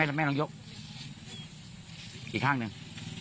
อ้าวแม่น้องยกอีกข้างนึง